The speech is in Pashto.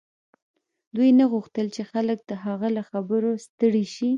دوی نه غوښتل چې خلک د هغه له خبرو ستړي شي